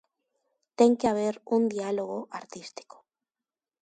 Ten que haber un diálogo artístico.